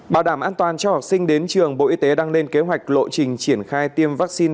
bảo đảm an toàn cho học sinh đến trường bộ y tế đang lên kế hoạch lộ trình triển khai tiêm vaccine